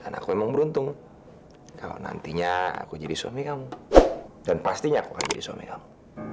dan pastinya aku akan jadi suami kamu